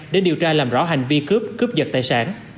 để điều tra làm rõ hành vi cướp cướp giật tài sản